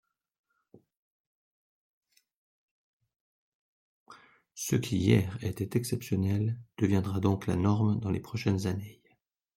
Ce qui, hier, était exceptionnel deviendra donc la norme dans les prochaines années.